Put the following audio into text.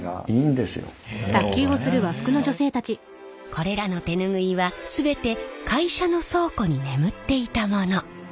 これらの手ぬぐいは全て会社の倉庫に眠っていたもの。